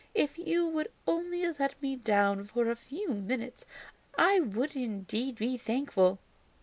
If you would only let me down for a few minutes I would indeed be thankful!"